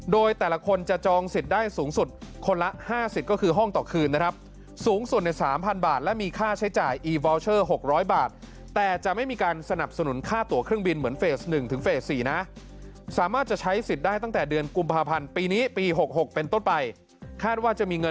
โดยแต่ละคนจะจองสิทธิ์ได้สูงสุดคนละ๕๐ก็คือห้องต่อคืนนะครับสูงสุดใน๓๐๐บาทและมีค่าใช้จ่ายอีวอลเชอร์๖๐๐บาทแต่จะไม่มีการสนับสนุนค่าตัวเครื่องบินเหมือนเฟส๑ถึงเฟส๔นะสามารถจะใช้สิทธิ์ได้ตั้งแต่เดือนกุมภาพันธ์ปีนี้ปี๖๖เป็นต้นไปคาดว่าจะมีเงิน